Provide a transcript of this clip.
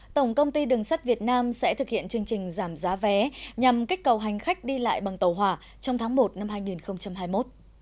tổng công ty đường sắt việt nam sẽ thực hiện chương trình giảm giá vé nhằm kích cầu hành khách đi lại bằng tàu hỏa trong tháng một năm hai nghìn hai mươi một